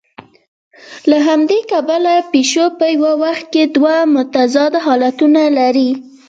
له همدې کبله پیشو په یوه وخت کې دوه متضاد حالتونه لري.